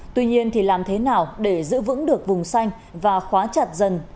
tuy nhiên thì làm thế nào để giữ vững được vùng xanh và khóa chặt dần